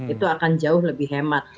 itu akan jauh lebih hemat